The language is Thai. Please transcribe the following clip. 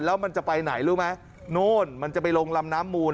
แล้วมันจะไปไหนรู้ไหมโน่นมันจะไปลงลำน้ำมูล